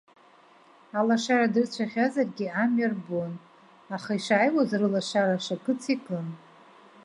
Алашара дырцәахьазаргьы амҩа рбон, аха ишааиуаз рылашара шакыц иакын.